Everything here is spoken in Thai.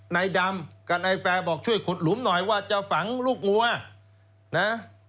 ที่จังหวัดเพชรบุรี